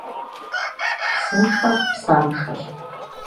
Псыншэр псэншэщ.